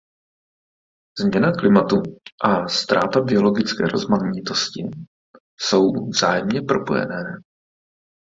Změna klimatu a ztráta biologické rozmanitosti jsou vzájemně propojené.